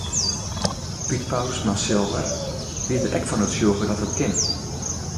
Piet Paulusma silger wie der ek fan oertsjûge dat it kin.